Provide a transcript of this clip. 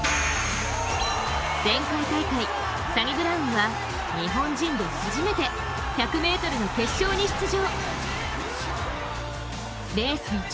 前回大会サニブラウンは日本人で初めて１００ｍの決勝に出場。